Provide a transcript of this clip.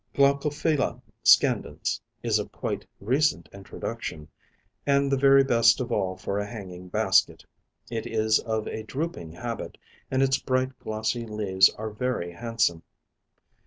Glaucophylla Scandens is of quite recent introduction, and the very best of all for a hanging basket. It is of a drooping habit, and its bright glossy leaves are very handsome.